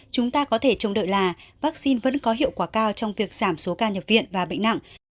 chúng ta có thể trông đợi là vaccine vẫn có hiệu quả cao trong việc giảm số ca nhập viện và bệnh nặng